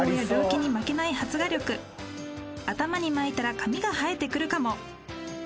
頭にまいたら髪が生えてくるかも。